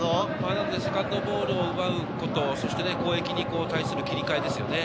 セカンドボールを奪うこと、攻撃に対する切り替えですね。